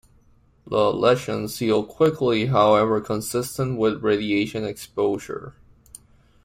The lesions healed quickly, however, consistent with radiation exposure.